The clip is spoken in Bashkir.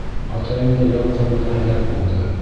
Атайым да яу ҡырында һәләк булды.